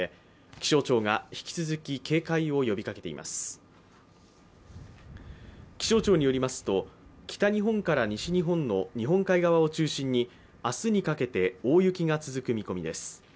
気象庁によりますと、北日本から西日本の日本海側を中心に明日にかけて大雪が続く見込みです。